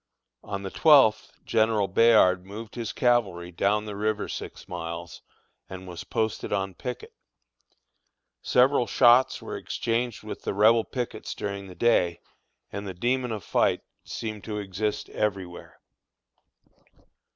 On the twelfth General Bayard moved his cavalry down the river six miles, and was posted on picket. Several shots were exchanged with the Rebel pickets during the day, and the demon of fight seemed to exist everywhere.